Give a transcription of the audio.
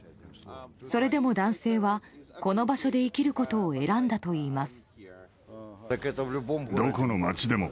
それでも男性はこの場所で生きることを選んだといいます。